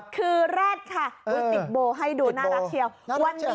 คือแร็ดค่ะมีติดโบให้ดูน่ารักเชียว